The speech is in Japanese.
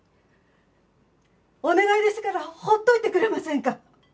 お願いですから放っておいてくれませんか？